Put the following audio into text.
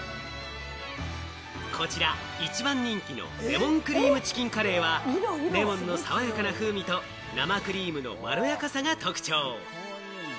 こちら一番人気のレモンクリームチキンカレーは、レモンの爽やかな風味と生クリームのまろやかさが特徴。